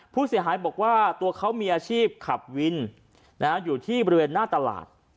ผู้เสียหายบอกว่าตัวเขามีอาชีพขับวินอยู่ที่บริเวณหน้าตลาด